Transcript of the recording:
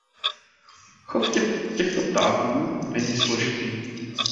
Chov těchto ptáků není složitý.